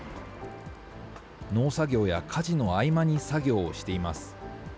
農作業や家事の合間に作業をしています。